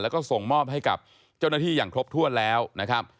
แล้วก็ส่งมอบให้กับเจ้าหน้าที่อย่างครบถ้วนแล้วนะครับ